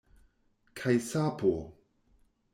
Kaj sapo!